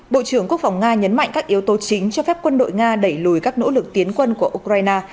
bộ trưởng quốc phòng nga nhấn mạnh các yếu tố chính cho phép quân đội nga đẩy lùi các nỗ lực tiến quân của ukraine